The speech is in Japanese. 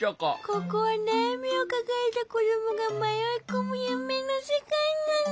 ここはなやみをかかえたこどもがまよいこむゆめのせかいなの。